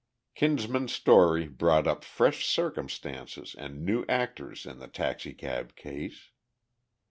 Kinsman's story brought up fresh circumstances and new actors in the taxicab case.